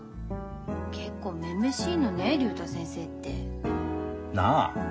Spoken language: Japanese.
結構女々しいのね竜太先生って。なあ？